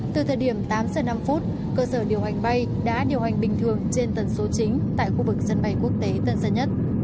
từ thời điểm tám giờ năm phút cơ sở điều hành bay đã điều hành bình thường trên tần số chính tại khu vực sân bay quốc tế tân sơn nhất